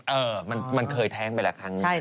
เออมันเคยแท้งไปแหละครั้งนี้ครับ